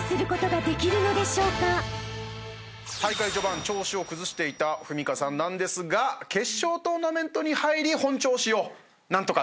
大会序盤調子を崩していた史佳さんなんですが決勝トーナメントに入り本調子を何とか取り戻してきましたね。